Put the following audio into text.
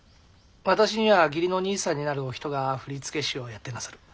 私には義理の兄さんになるお人が振り付け師をやってなさる。